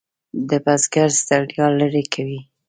د بزګر ستړیا لرې کوي.